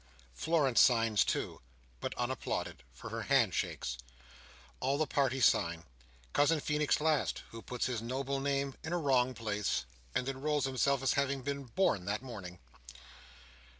Florence signs too, but unapplauded, for her hand shakes. All the party sign; Cousin Feenix last; who puts his noble name into a wrong place, and enrols himself as having been born that morning.